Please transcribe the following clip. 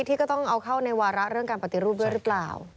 ที่ก็ต้องเอาเข้าในวาระเรื่องการปฏิรูปด้วยหรือเปล่า